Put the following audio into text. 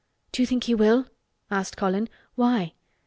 "Do you think he will?" asked Colin. "Why?"